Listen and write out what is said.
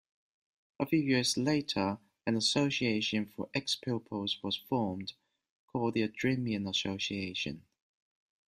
A few years later, an association for ex-pupils was formed, called the Adremian Association.